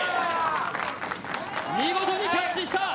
見事にキャッチした。